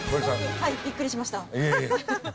びっくりしました。